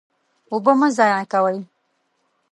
اوبه مه ضایع کوئ.